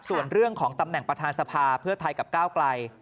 ส่วนเรื่องของตำแหน่งประธานสภาเพื่อไทยกับก้าวไกล